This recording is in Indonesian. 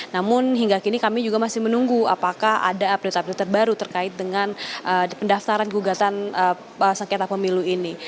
namun hingga kini kami juga masih menunggu apakah ada update update terbaru terkait dengan pendaftaran gugatan sengketa pemilu ini